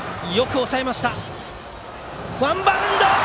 ワンバウンド！